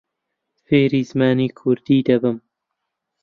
فێری زمانی کوردی دەبم.